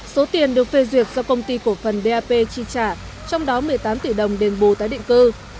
số tiền được phê duyệt do công ty cổ phần dap chi trả trong đó một mươi tám tỷ đồng đền bù tái định cư